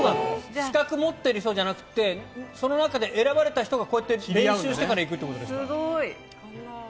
資格を持ってる人じゃなくてその中で選ばれた人がこうやって練習から行くということですね。